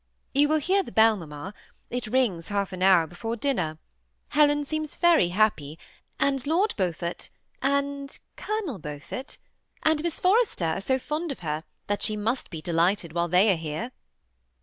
'* You will hear the bell, mamma. It rings half an hour before dinner. Helen seems very happy, and Lord Beaufort and Colonel Beaufort and Miss For rester are so fond of her, that she must be delighted while they are here."